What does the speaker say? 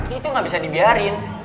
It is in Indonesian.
itu gak bisa dibiarin